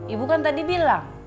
ibu kan tadi bilang